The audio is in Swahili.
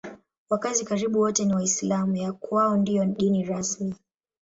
Wakazi karibu wote ni Waislamu; ya kwao ndiyo dini rasmi.